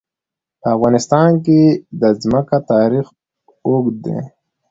په افغانستان کې د ځمکه تاریخ اوږد دی.